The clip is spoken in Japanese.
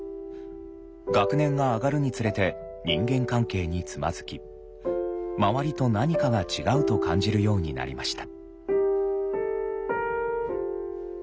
学年が上がるにつれて人間関係につまずき「周りと何かが違う」と感じるようになりました。